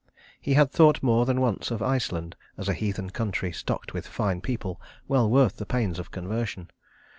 He had thought more than once of Iceland as a heathen country stocked with fine people well worth the pains of conversion.